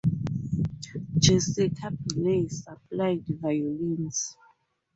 Jessica Billey supplied violins.